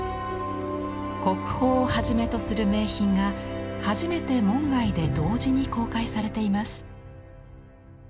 国宝をはじめとする名品が初めて門外で同時に公開されています。